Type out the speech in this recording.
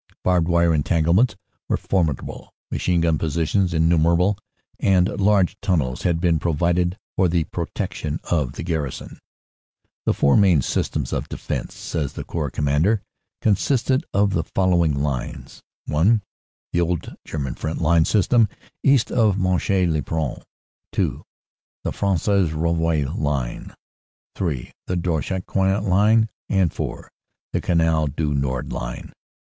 Barbed wire entanglements were formidable, machine gun positions innumerable, and large tunnels had been pro vided for the protection of the garrison. "The four main systems of defense," says the Corps Com mander, "consisted of the following lines : 1. The old German front line system east of Monchy le Preux. 2. The Fresnes Rouvroy line. 3. The Drocourt Queant line. 4. The Canal du Nord line.